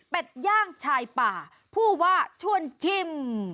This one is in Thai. เป็นย่างชายป่าผู้ว่าชวนชิม